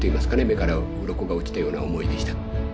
目からうろこが落ちたような思いでした。